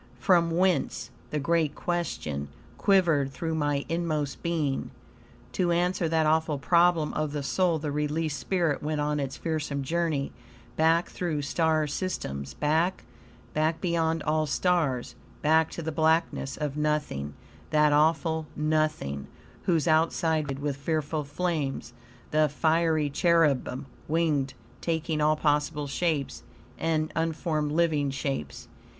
"From whence," the great question, quivered through my inmost being. To answer that awful problem of the soul the released spirit went on its fearsome journey, back through star systems; back, back beyond all stars, back to the blackness of nothing that awful nothing, whose outside ring vibrated with fearful flames; the fiery cherubim, winged, taking all possible shapes, and unformed living shapes.